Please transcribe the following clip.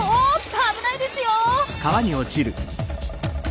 危ないですよ！